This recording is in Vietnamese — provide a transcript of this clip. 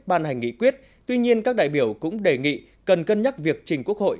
ban hành nghị quyết tuy nhiên các đại biểu cũng đề nghị cần cân nhắc việc trình quốc hội